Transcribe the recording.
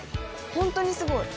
本当にすごい。